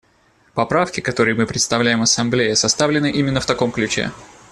Поправки, которые мы представляем Ассамблее, составлены именно в таком ключе.